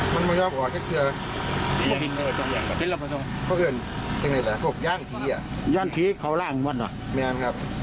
มันระบายกับหลวงสาบว่าง